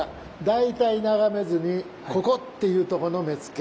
「大体眺めずにここ！っていうとこの目付」。